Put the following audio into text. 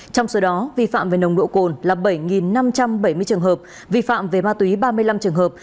trong số đó vi phạm về nồng độ cồn là bảy năm trăm bảy mươi trường hợp vi phạm về ma túy ba mươi năm trường hợp